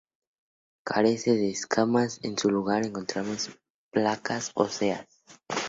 Carece de escamas, en su lugar, encontramos placas óseas.